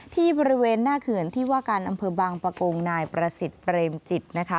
ที่บริเวณหน้าเขื่อนที่ว่าการอำเภอบางปะโกงนายประสิทธิ์เปรมจิตนะคะ